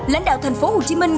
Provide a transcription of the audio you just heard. lãnh đạo thành phố hồ chí minh